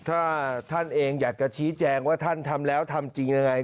ถ้าท่านเองอยากจะชี้แจงว่าท่านทำแล้วทำจริงยังไง